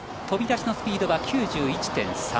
飛び出しのスピードは９１．３。